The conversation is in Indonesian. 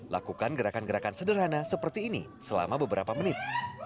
lakukan gerakan gerakan sederhana seperti ini selama beberapa menit